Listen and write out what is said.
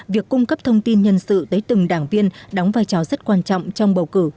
việc cung cấp thông tin nhân sự tới từng đảng viên đóng vai trò rất quan trọng trong bầu cử